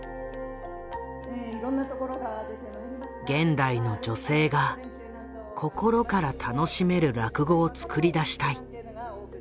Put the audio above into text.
現代の女性が心から楽しめる落語を作り出したい。